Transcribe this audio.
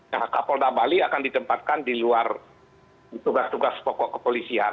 nah kapolda bali akan ditempatkan di luar tugas tugas pokok kepolisian